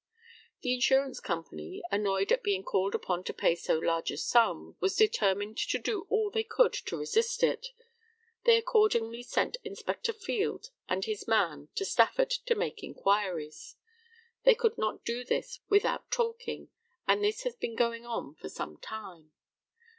The Insurance company, annoyed at being called upon to pay so large a sum, were determined to do all they could to resist it. They accordingly sent Inspector Field and his man to Stafford to make inquiries. They could not do this without talking, and this had been going on for some time.